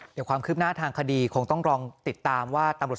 เดี๋ยวความคืบหน้าทางคดีคงต้องลองติดตามว่าตำรวจ